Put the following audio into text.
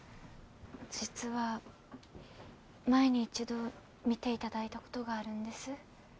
実は前に一度診ていただいたことがあるんです